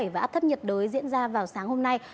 và áp thấp nhiệt đới diễn ra vào sáng hôm nay